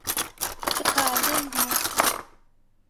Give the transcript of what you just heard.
Тикъалэ инэп.